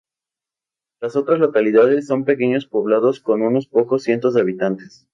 Las otras localidades son pequeños poblados con unos pocos cientos de habitantes.